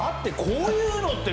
こういうのって。